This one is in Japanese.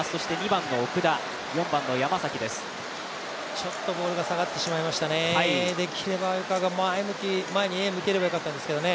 ちょっとボールが下がってしまいましたね、できれば鮎川が前に目を向ければよかったんですけどね。